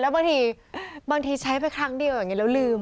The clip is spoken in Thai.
บางทีบางทีใช้ไปครั้งเดียวอย่างนี้แล้วลืม